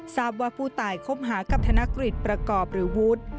ทราบว่าผู้ตายคบหากับธนกฤษประกอบหรือวุฒิ